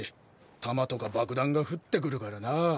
弾とか爆弾が降ってくるからな。